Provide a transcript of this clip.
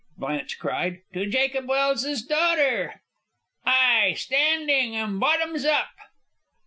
Blanche cried. "To Jacob Welse's daughter!" "Ay! Standing! And bottoms up!"